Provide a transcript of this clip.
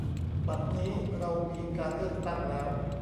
บัดนี้เรามีการเลือกตั้งแล้ว